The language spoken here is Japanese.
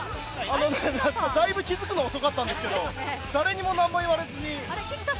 だいぶ気付くの遅かったんですけど誰にも何も言われずに。